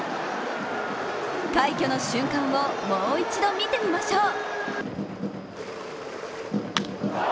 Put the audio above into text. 快挙の瞬間をもう一度見てみましょう。